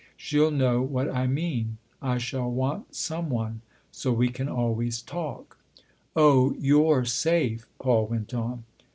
She'll know what I mean I shall want some one. So we can always talk." " Oh, you 1 re safe !" Paul went on.